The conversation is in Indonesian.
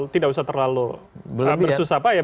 tidak usah terlalu bersusah payah